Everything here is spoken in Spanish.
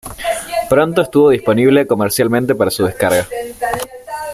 Pronto estuvo disponible comercialmente para su descarga.